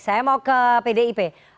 saya mau ke pdip